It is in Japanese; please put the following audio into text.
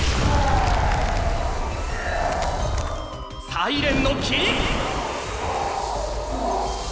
サイレンの霧！